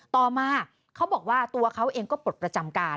ต่อมาเขาบอกว่าตัวเขาเองก็ปลดประจำการ